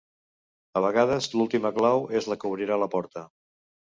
A vegades l'última clau és la que obrirà la porta.